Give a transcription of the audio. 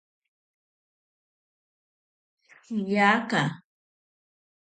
Shiyaka.